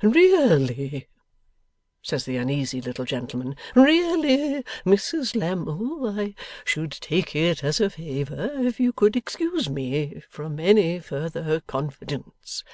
'Really,' says the uneasy little gentleman, 'really, Mrs Lammle, I should take it as a favour if you could excuse me from any further confidence.